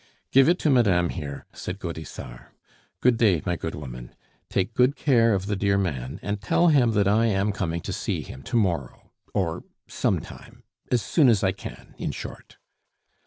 "Give it to madame here," said Gaudissart. "Good day, my good woman; take good care of the dear man, and tell him that I am coming to see him to morrow, or sometime as soon as I can, in short."